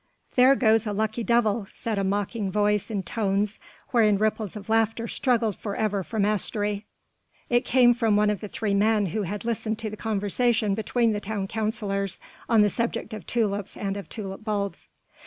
"There goes a lucky devil," said a mocking voice in tones wherein ripples of laughter struggled for ever for mastery. It came from one of the three men who had listened to the conversation between the town councillors on the subject of tulips and of tulip bulbs.